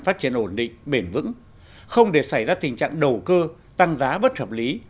phát triển ổn định bền vững không để xảy ra tình trạng đầu cơ tăng giá bất hợp lý